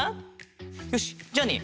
よしじゃあね